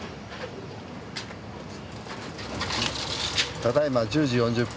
ただいま１０時４０分